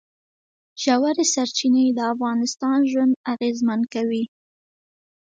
ژورې سرچینې د افغانانو ژوند اغېزمن کوي.